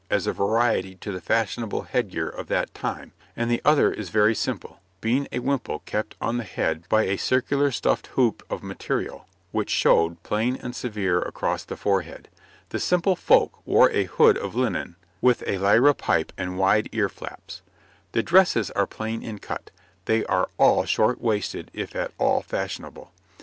as a variety to the fashionable head gear of that time, and the other is very simple, being a wimple kept on the head by a circular stuffed hoop of material, which showed, plain and severe across the forehead. The simple folk wore a hood of linen, with a liripipe and wide ear flaps. [Illustration: {A woman of the time of Edward IV.}] The dresses are plain in cut; they are all short waisted if at all fashionable.